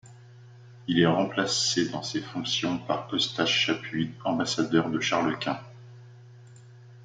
Il est remplacé dans ses fonctions par Eustache Chappuis, ambassadeur de Charles Quint.